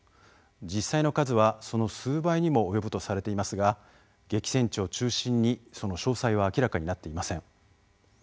実際の数はその数倍にも及ぶとされていますが激戦地を中心に、その詳細は明らかになっていません。